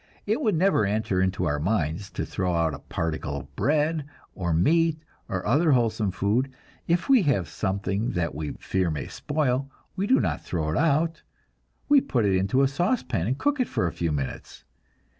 It would never enter into our minds to throw out a particle of bread, or meat, or other wholesome food. If we have something that we fear may spoil, we do not throw it out, but put it into a saucepan and cook it for a few minutes.